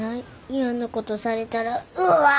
嫌なことされたらうわ！